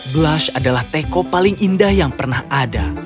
blush adalah teko paling indah yang pernah ada